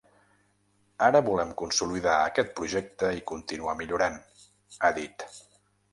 “Ara volem consolidar aquest projecte i continuar millorant”, ha dit.